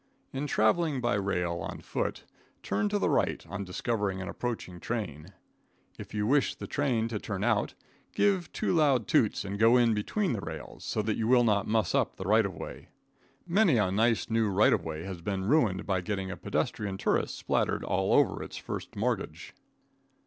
In traveling by rail on foot, turn to the right on discovering an approaching train. If you wish the train to turn out, give two loud toots and get in between the rails, so that you will not muss up the right of way. Many a nice, new right of way has been ruined by getting a pedestrian tourist spattered all over its first mortgage.